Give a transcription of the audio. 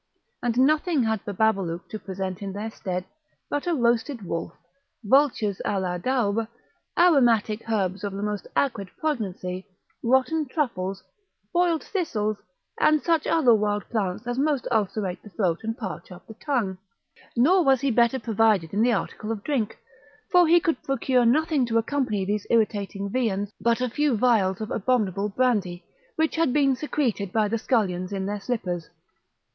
And nothing had Bababalouk to present in their stead but a roasted wolf, vultures à la daube, aromatic herbs of the most acrid poignancy, rotten truffles, boiled thistles, and such other wild plants as most ulcerate the throat and parch up the tongue. Nor was he better provided in the article of drink, for he could procure nothing to accompany these irritating viands but a few vials of abominable brandy, which had been secreted by the scullions in their slippers.